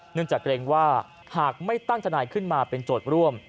เนื่องจากเกรงว่าหากไม่ตั้งทนายขึ้นมาเป็นโจทย์ร่วม